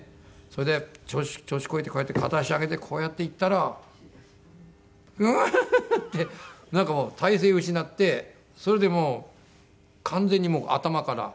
それで調子こいてこうやって片足上げてこうやって行ったらグーンってなんかもう体勢失ってそれでもう完全に頭から。